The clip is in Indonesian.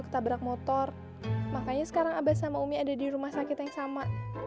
ketabrak motor makanya sekarang abah sama umi ada di rumah sakit yang sama